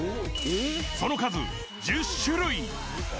その数１０種類。